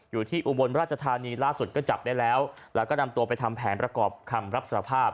อุบลราชธานีล่าสุดก็จับได้แล้วแล้วก็นำตัวไปทำแผนประกอบคำรับสารภาพ